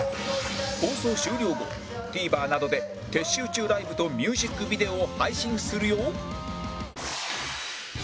放送終了後 ＴＶｅｒ などで撤収中ライブとミュージックビデオを配信するよ